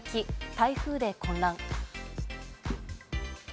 台風で混乱。